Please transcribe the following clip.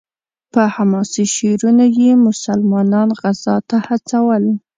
په حماسي شعرونو یې مسلمانان غزا ته هڅول.